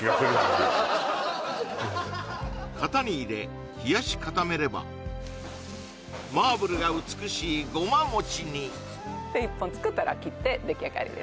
型に入れ冷やし固めればマーブルが美しいごま餅に１本作ったら切って出来上がりですね